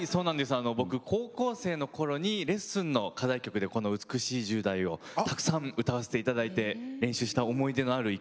僕高校生のころにレッスンの課題曲でこの「美しい十代」をたくさん歌わせていただいて練習した思い出のある一曲で。